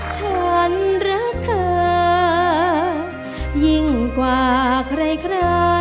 ฉันรักเธอยิ่งกว่าใคร